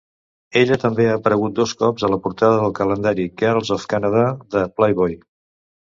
Ella també ha aparegut dos cops a la portada del calendari Girls of Canada de Playboy.